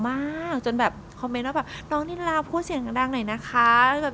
คมล่าจนแบบคอมเมนต์เอาแบบน้องนิลาพูดเสียงแบบดังหน่อยนะค้าแบบ